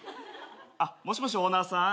あっもしもしオーナーさん？